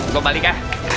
gua balik ya